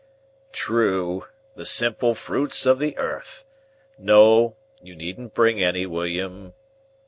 "True. The simple fruits of the earth. No. You needn't bring any, William."